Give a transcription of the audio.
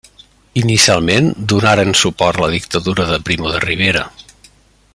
Inicialment donaren suport la Dictadura de Primo de Rivera.